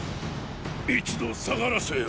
一度退がらせよ。